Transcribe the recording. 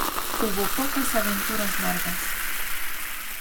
Hubo pocas aventuras largas.